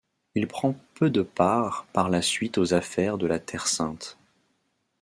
Il prend peu de part par la suite aux affaires de la Terre-Sainte.